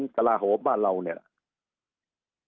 สุดท้ายก็ต้านไม่อยู่